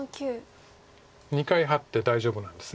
２回ハッて大丈夫なんです。